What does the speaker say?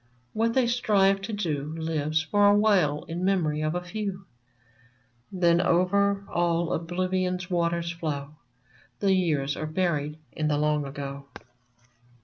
What they strive to do Lives for a while in memory of a few ; Then over all Oblivion's waters flow — The Years are buried in the long ago